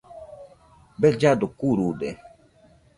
Bellado kurude